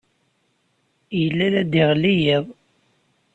Yella la d-iɣelli yiḍ.